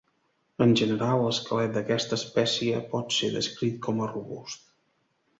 En general, l'esquelet d'aquesta espècie pot ser descrit com a robust.